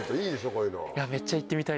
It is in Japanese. こういうの。